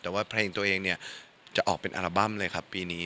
แต่ว่าเพลงตัวเองเนี่ยจะออกเป็นอัลบั้มเลยครับปีนี้